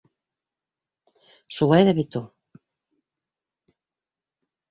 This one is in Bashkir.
Шулай ҙа бит ул...